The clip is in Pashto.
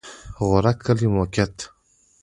د غورک کلی موقعیت